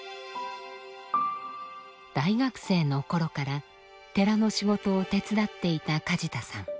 大学生の頃から寺の仕事を手伝っていた梶田さん。